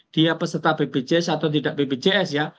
dia peserta bpjs atau tidak bpjs ya